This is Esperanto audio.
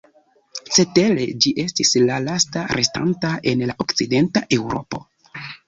Cetere ĝi estis la lasta restanta en la Okcidenta Eŭropo.